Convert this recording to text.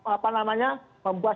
apa namanya membuat